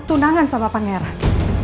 tunangan sama pangeran